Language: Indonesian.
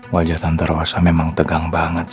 wajah tante rosa memang tegang banget sih